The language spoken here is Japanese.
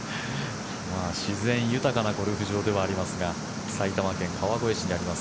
自然豊かなゴルフ場ではありますが埼玉県川越市にあります